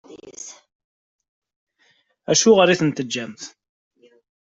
Acuɣer i t-in-teǧǧamt?